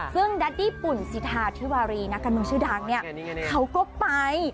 ซึ่งแดดดี้ปุ่นสิทาธิวารีนักการเมืองชื่อดังเนี่ยเขาก็ไป